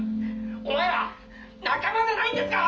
お前ら仲間じゃないんですか！？」。